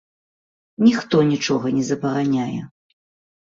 Ніхто нічога не забараняе.